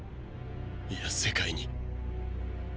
いや世界に。